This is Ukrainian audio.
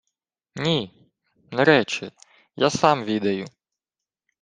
— Ні, не рече. Я сам відаю.